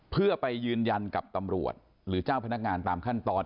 เพื่อไปยืนยันกับตำรวจหรือเจ้าพนักงานตามขั้นตอน